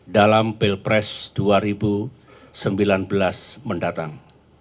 dalam pilpres dua ribu sembilan belas mendatang